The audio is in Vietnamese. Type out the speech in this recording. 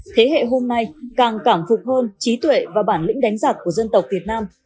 thế hệ hôm nay càng cảm phục hơn trí tuệ và bản lĩnh đánh giặc của dân tộc việt nam